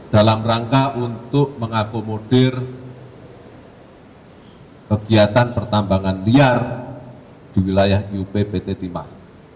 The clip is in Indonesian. dalam rangka untuk mengakomodir kegiatan pertambangan liar di wilayah iup pt timah